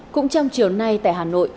cũng trong chiều nay tại hà nội